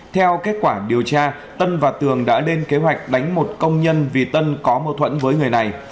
theo kết quả điều tra tân và tường đã lên kế hoạch đánh một công nhân vì tân có mâu thuẫn với người này